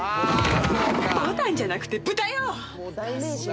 「ぼたんじゃなくて豚よ！」